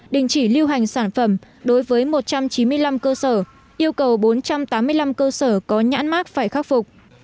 đình chỉ lưu hành sản phẩm đối với một trăm chín mươi năm cơ sở yêu cầu bốn trăm tám mươi năm cơ sở có nhãn mát phải khắc phục